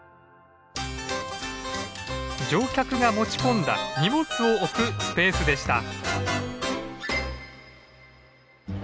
乗客が持ち込んだ荷物を置くスペースでした。